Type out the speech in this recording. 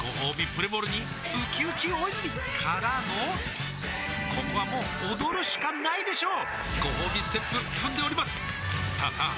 プレモルにうきうき大泉からのここはもう踊るしかないでしょうごほうびステップ踏んでおりますさあさあ